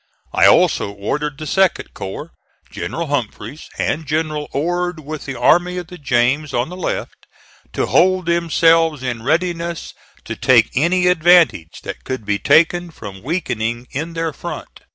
I also ordered the 2d corps, General Humphreys, and General Ord with the Army of the James, on the left, to hold themselves in readiness to take any advantage that could be taken from weakening in their front.